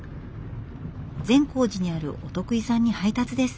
善光寺にあるお得意さんに配達です。